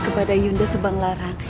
kepada yunda subanglarang